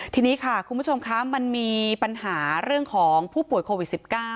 ทีนี้ค่ะคุณผู้ชมคะมันมีปัญหาเรื่องของผู้ป่วยโควิด๑๙